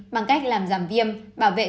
bằng cách làm giảm viêm bảo vệ